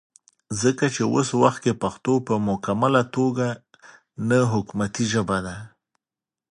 ځکه چې وس وخت کې پښتو پۀ مکمله توګه نه حکومتي ژبه ده